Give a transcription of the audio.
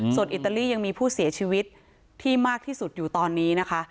ส่วนอิตาลียังมีผู้เสียชีวิตที่มากที่สุดอยู่ตอนนี้นะคะ